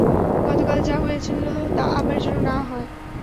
গতকাল যা হয়েছিল, তা আবার যেন না হয়।